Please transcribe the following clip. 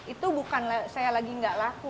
itu bukan saya lagi gak laku